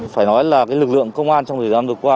phải nói là lực lượng công an trong thời gian vừa qua